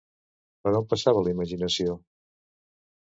Per on passava la imaginació?